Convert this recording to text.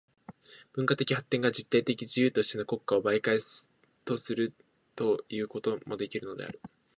文化的発展が実体的自由としての国家を媒介とするということもできるのである。